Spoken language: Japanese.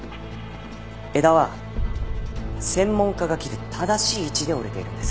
枝は専門家が切る正しい位置で折れているんです。